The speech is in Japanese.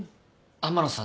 天野さん